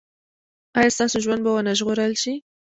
ایا ستاسو ژوند به و نه ژغورل شي؟